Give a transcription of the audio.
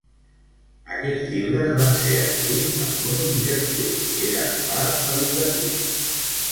Aquests llibres van ser escrits amb un objectiu que era en part educatiu.